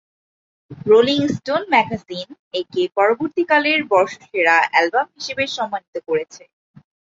Rolling Stone magazine একে পরবর্তীকালে বর্ষসেরা অ্যালবাম হিসেবে সম্মানিত করেছে।